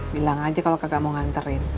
bilang aja kalau kagak mau nganterin